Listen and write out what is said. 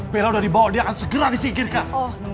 bella udah dibawa dia akan segera disingkirkan